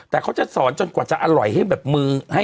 แต่เขาจะสอนจนกว่าจะอร่อยให้แบบมือให้